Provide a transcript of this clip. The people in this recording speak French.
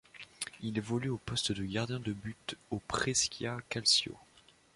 Il évolue au poste de gardien de but au Brescia Calcio.